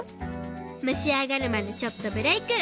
むしあがるまでちょっとブレーク。